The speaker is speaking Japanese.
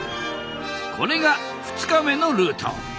これが２日目のルート。